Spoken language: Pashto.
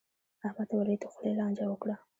احمد او علي د خولې لانجه وکړه.